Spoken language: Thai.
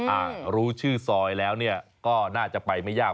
อ่ารู้ชื่อซอยแล้วเนี่ยก็น่าจะไปไม่ยาก